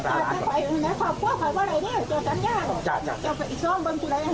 สวัสดีครับ